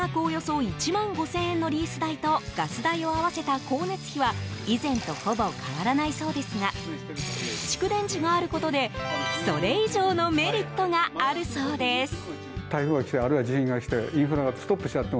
およそ１万５０００円のリース代とガス代を合わせた光熱費は以前とほぼ変わらないそうですが蓄電池があることで、それ以上のメリットがあるそうです。